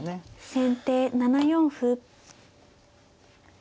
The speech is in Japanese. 先手７四歩。